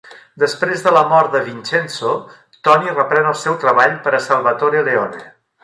Després de la mort de Vincenzo, Toni reprèn el seu treball per a Salvatore Leone.